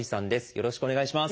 よろしくお願いします。